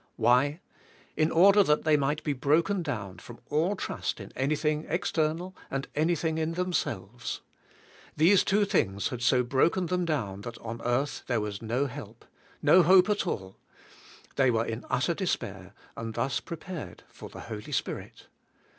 Why? In order that they might be broken down from all trust in anything external and anything in themselves. These two things had so broken them down that on earth there was no help, no hope at all; they were in utter despair, and thus prepared for the Holy Spirit.